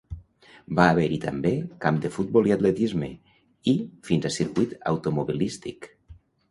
Va haver-hi també camp de futbol i atletisme, i fins a circuit automobilístic.